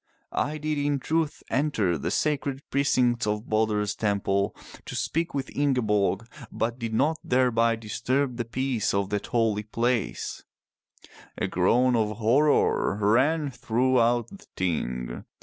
I did in truth enter the sacred pre cincts of Balder*s temple to speak with Ingeborg, but did not thereby disturb the peace of that holy place/' A groan of horror ran throughout the Ting.